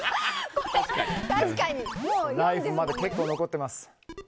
ライフはまだ結構残っています。